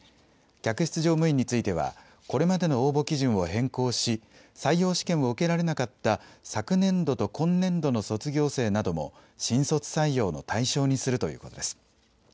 客室乗務員については、これまでの応募基準を変更し、採用試験を受けられなかった昨年度と今年度の卒業生なども、新卒採用の対象にするということです。